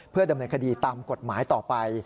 เพื่อดำเนินคดีตามกฎหมายต่อไป